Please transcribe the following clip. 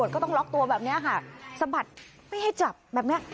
ก็ต้องล็อกตัวแบบนี้ค่ะสะบัดไม่ให้จับแบบนี้